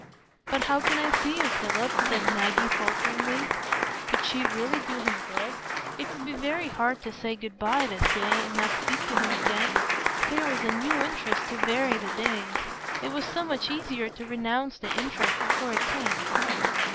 "But how can I see you, Philip?" said Maggie, falteringly. (Could she really do him good? It would be very hard to say "good by" this day, and not speak to him again. Here was a new interest to vary the days; it was so much easier to renounce the interest before it came.)